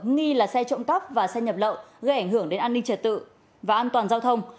nghi là xe trộm cắp và xe nhập lậu gây ảnh hưởng đến an ninh trật tự và an toàn giao thông